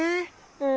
うん。